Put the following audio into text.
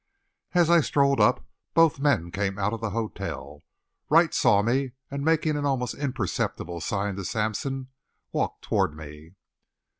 As I strolled up, both men came out of the hotel. Wright saw me, and making an almost imperceptible sign to Sampson, he walked toward me.